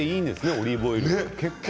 オリーブオイル。